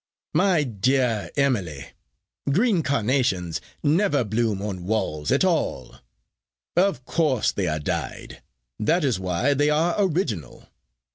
"My dear Emily, green carnations never bloom on walls at all. Of course they are dyed. That is why they are original. Mr.